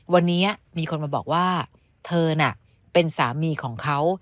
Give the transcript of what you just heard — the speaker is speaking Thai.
วันนี้มีคนมาบอกว่าเธอน่ะเป็นสามีของเขา